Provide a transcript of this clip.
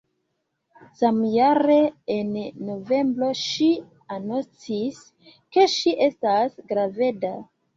Samjare, en novembro ŝi anoncis, ke ŝi estas graveda.